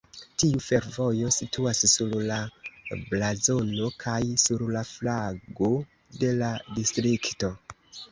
Tiu fervojo situas sur la blazono kaj sur la flago de la distrikto.